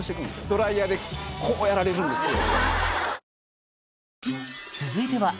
ドライヤーでこうやられるんですよ